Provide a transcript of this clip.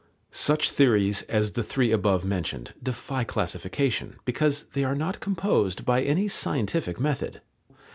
Such theories as the three above mentioned defy classification, because they are not composed by any scientific method.